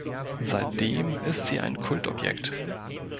Seitdem ist sie ein Kultobjekt.